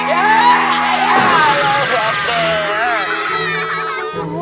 ya allah pak de